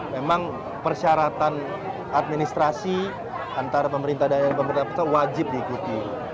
memang persyaratan administrasi antara pemerintah dan pemerintah pusat wajib diikuti